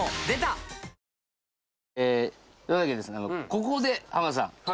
ここで浜田さん。